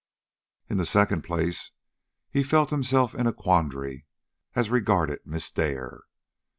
In the second place, he felt himself in a quandary as regarded Miss Dare.